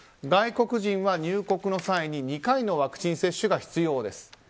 外国人は入国の際に２回のワクチン接種が必要です。